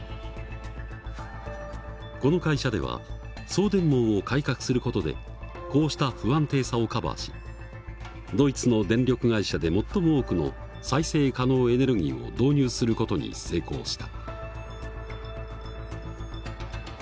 この会社では送電網を改革する事でこうした不安定さをカバーしドイツの電力会社で最も多くの再生可能エネルギーを導入する事に成功した。